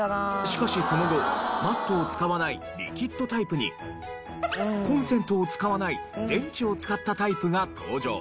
しかしその後マットを使わないリキッドタイプにコンセントを使わない電池を使ったタイプが登場。